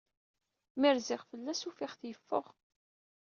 Mi rziɣ fell-as, ufiɣ-t yeffeɣ.